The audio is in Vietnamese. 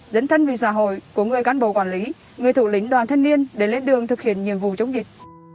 dẫn thân vì xã hội của người cán bộ quản lý người thủ lĩnh đoàn thanh niên để lên đường thực hiện nhiệm vụ chống dịch